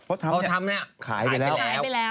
เพราะทำนี้ขายไปแล้ว